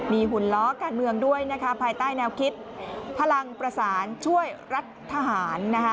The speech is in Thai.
มีหุ่นล้อการเมืองด้วยนะคะภายใต้แนวคิดพลังประสานช่วยรัฐทหาร